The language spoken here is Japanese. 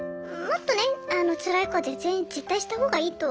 もっとねつらい子は絶縁絶対した方がいいと。